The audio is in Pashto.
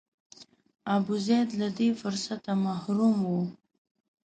ابوزید له دې فرصته محروم و.